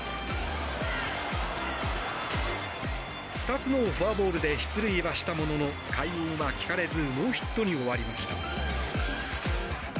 ２つのフォアボールで出塁はしたものの快音は聞かれずノーヒットに終わりました。